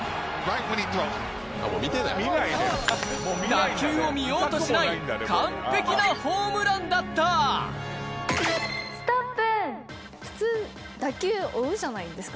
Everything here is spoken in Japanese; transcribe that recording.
打球を見ようとしない完璧なホームランだったじゃないですか